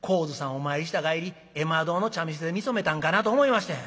お参りした帰り絵馬堂の茶店で見初めたんかなと思いましたんや。